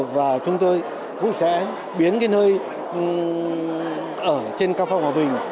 và chúng tôi cũng sẽ biến cái nơi ở trên cao phong hòa bình